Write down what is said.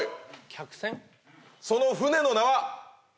その船の名は？